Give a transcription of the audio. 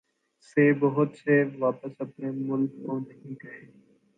سے بہت سے واپس اپنے ملک کو نہیں گئے۔